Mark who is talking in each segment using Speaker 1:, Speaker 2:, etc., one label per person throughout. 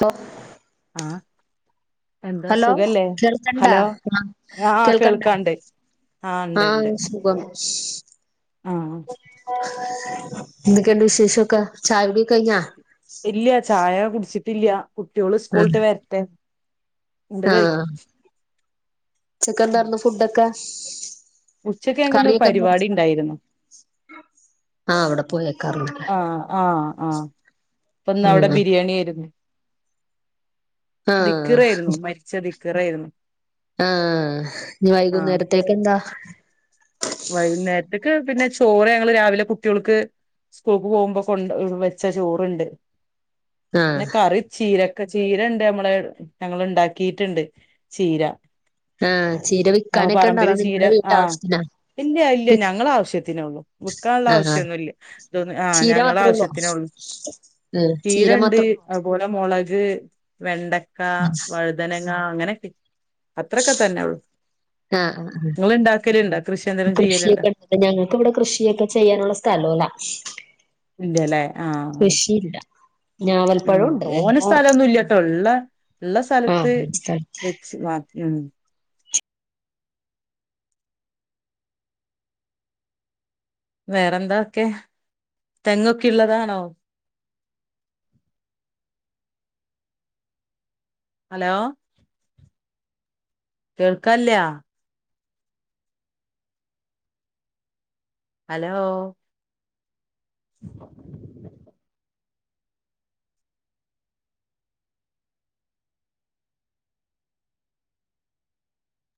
Speaker 1: ഹോ
Speaker 2: ആഹ് എന്താ
Speaker 1: ഹലോ
Speaker 2: സുഖല്ലേ
Speaker 1: കേൾക്കണ്ടാ
Speaker 2: ഹലോ
Speaker 1: ആ
Speaker 2: ആ
Speaker 1: കേൾക്കണ്ടാ
Speaker 2: കേൾക്കാണ്ട് ആ ഇണ്ട് ഇണ്ട്
Speaker 1: [unintelligible]
Speaker 2: ആഹ്
Speaker 1: എന്തക്കെ ഇണ്ട് വിഷേഷോക്ക ചായകുടി കഴിഞ്ഞാ
Speaker 2: ഇല്ല്യ ചായ കുട്ച്ചിട്ടില്ല്യ കുട്ട്യോള് സ്കൂൾട്ട് വര്ട്ടെ
Speaker 1: ആഹ് ഉച്ചക്കെന്താർന്നു ഫുഡൊക്കെ
Speaker 2: ഉച്ചക്ക് ഞങ്ങക്ക്ന്ന്
Speaker 1: കറിയൊക്കെ എന്താ
Speaker 2: പരിവാടി ഇണ്ടായ്‌രുന്നു.
Speaker 1: ആ അവിടെ പോയേക്കാറുണ്ട്
Speaker 2: ആഹ് ആഹ് ആഹ് ഇപ്പന്ന് അവ്ടെ
Speaker 1: ഉം
Speaker 2: ബിരിയാണി ആയിരുന്നു
Speaker 1: ആഹ്
Speaker 2: ദിക്കിറെര്ന്നു മരി ച ദിക്റെര്ന്നു
Speaker 1: ആഹ് ഇഞ് വൈകുന്നേരത്തേക്കെന്താ
Speaker 2: വൈകുന്നേര്ത്ത്ക്ക് പിന്നെ ചോറ് ഞങ്ങള് രാവിലെ കുട്ട്യൾക്ക് സ്കൂൾക്ക് പോവുമ്പ കൊണ്ട് വെച്ച ചോറ്ണ്ട്
Speaker 1: ആഹ്
Speaker 2: പിന്നെ കറി ചീരക്ക ചീര ഇണ്ട് നമ്മളെ ഞങ്ങള് ഇണ്ടാക്കീട്ട്ണ്ട് ചീര.
Speaker 1: ആഹ് ചീര
Speaker 2: ആ
Speaker 1: വിക്കാനൊക്കെണ്ടോ
Speaker 2: പറമ്പില്
Speaker 1: അതൊ
Speaker 2: ചീര
Speaker 1: നിങ്ങടെ
Speaker 2: ആ
Speaker 1: വീട്ടാവശ്യത്തിനാ
Speaker 2: ഇല്ല ഇല്ല ഞങ്ങള ആവശ്യത്തിനേ ഒള്ളു വിക്കാള്ള
Speaker 1: ആഹ്
Speaker 2: ആവശ്യന്നുല്ല. തോന്ന് ആ
Speaker 1: ചീര
Speaker 2: ഞങ്ങള
Speaker 1: മാത്രേ ഉള്ളോ
Speaker 2: ആവശ്യത്തിനോള്ളൂ.
Speaker 1: ഉം ചീര മാത്ര
Speaker 2: അതുപോലെ മോളക് വെണ്ടക്ക വഴുതനങ്ങ അങ്ങനെക്കെ അത്രക്ക തന്നെ ഒള്ളു
Speaker 1: ആഹ് ആഹ്
Speaker 2: ഇങ്ങള് ഇണ്ടാക്കല്ണ്ടാ
Speaker 1: കൃഷിയൊക്കെ ഞങ്ങക്ക് ഇവടെ കൃഷിയൊക്കെ ചെയ്യാനുള്ള സ്ഥലോല.
Speaker 2: ഇല്ല്യ ലെ ആഹ്
Speaker 1: ചില്ല.
Speaker 2: ഉം തോന സ്ഥലൊന്നു ഇല്ല്യട്ടോ ഇള്ള ഇള്ള സ്ഥലത്ത്
Speaker 1: ആഹ്
Speaker 2: വെച്ച് വാ ഉം വേറെ എന്താക്കെ തെങ്ങൊക്കെ ഇള്ളതാണോ ഹലോ കേൾക്കാല്ല്യ ഹലോ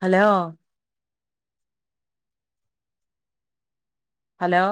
Speaker 2: ഹലോ ഹലോ